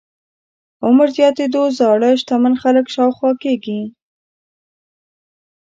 عمر زياتېدو زاړه شتمن خلک شاوخوا کېږي.